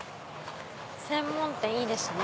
専門店いいですね。